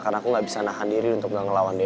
karena aku gak bisa nahan diri untuk gak ngelawan dehan